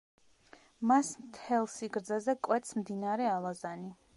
მას მთელ სიგრძეზე კვეთს მდინარე ალაზანი.